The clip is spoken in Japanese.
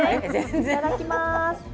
いただきます。